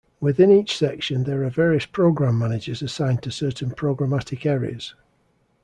Within each section, there are various program managers assigned to certain programmatic areas.